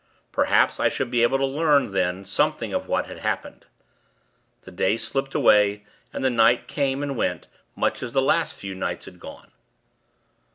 Perhaps, I should be able to learn, then, something of what had happened. The day slipped away, and the night came, and went much as the last few nights had gone.